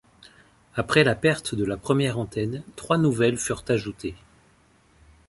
Après la perte de la première antenne, trois nouvelles furent ajoutées.